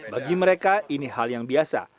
bagi mereka ini hal yang biasa